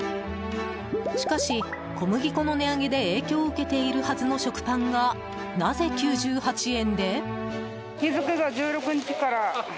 しかし、小麦粉の値上げで影響を受けているはずの食パンがなぜ９８円で？